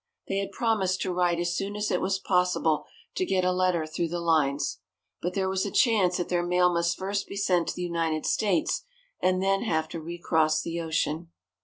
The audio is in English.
They had promised to write as soon as it was possible to get a letter through the lines. But there was a chance that their mail must first be sent to the United States and then have to recross the ocean.